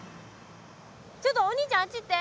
ちょっとお兄ちゃんあっち行って。